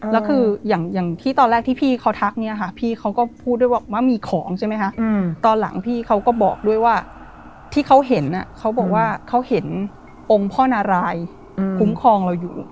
แล้วคืออย่างที่ตอนแรกที่พี่เขาทักเนี่ยค่ะพี่เขาก็พูดด้วยว่ามีของใช่ไหมคะ